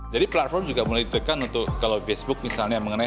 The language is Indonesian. jadi platform juga mulai ditekan untuk kalau facebook misalnya mengenai